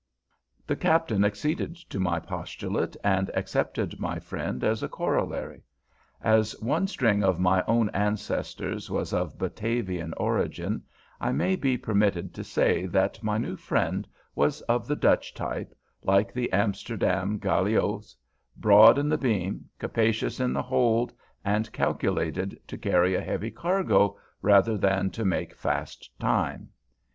The Captain acceded to my postulate, and accepted my friend as a corollary. As one string of my own ancestors was of Batavian origin, I may be permitted to say that my new friend was of the Dutch type, like the Amsterdam galiots, broad in the beam, capacious in the hold, and calculated to carry a heavy cargo rather than to make fast time.